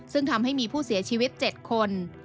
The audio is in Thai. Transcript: ซึ่งทำให้มีผู้เสียชีวิต๗คน